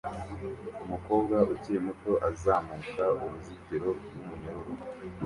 Umukobwa ukiri muto azamuka uruzitiro rwumunyururu